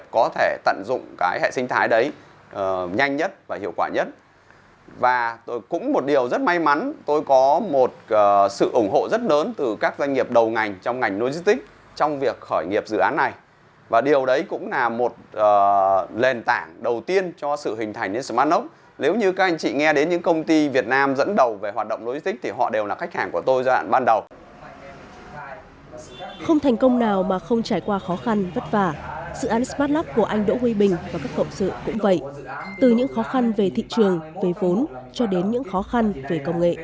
cộng sự cũng vậy từ những khó khăn về thị trường về vốn cho đến những khó khăn về công nghệ